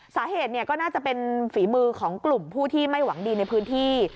สาเหตุก็น่าจะเป็นฝีมือของกลุ่มผู้ที่ไม่หวังดีในพื้นที่